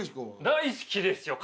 大好きですよ。